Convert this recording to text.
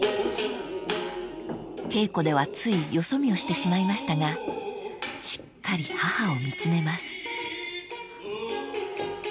［稽古ではついよそ見をしてしまいましたがしっかり母を見詰めます］